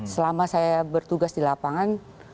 selama saya bertugas di lapangan